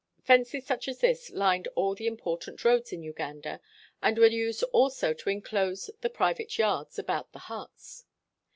Fences such as this lined all the im portant roads in Uganda and were used also to enclose the private yards about the huts.